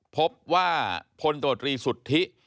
พบว่าพลตรีสุทธิ